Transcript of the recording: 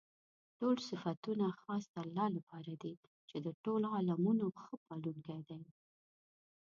ټول صفتونه خاص د الله لپاره دي چې د ټولو عالَمونو ښه پالونكى دی.